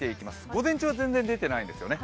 午前中は全然出ていないんですよね。